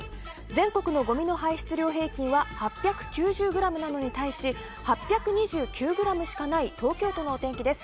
全国のごみの排出量平均は８９０ｇなのに対したった８２９ｇしかない東京都のお天気です。